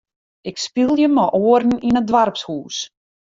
Ik spylje mei oaren yn it doarpshûs.